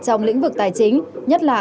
trong lĩnh vực tài chính nhất là